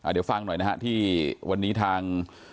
เดี๋ยวฟังหน่อยนะฮะที่วันนี้ทาง